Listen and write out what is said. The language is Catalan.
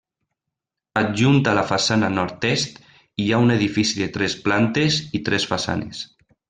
Adjunt a la façana nord-est, hi ha un edifici de tres plantes i tres façanes.